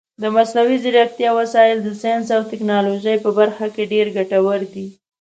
د مصنوعي ځیرکتیا وسایل د ساینس او ټکنالوژۍ په برخه کې ډېر ګټور دي.